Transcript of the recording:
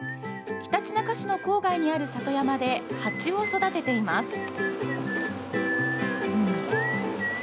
ひたちなか市の郊外にある里山でハチを育てています。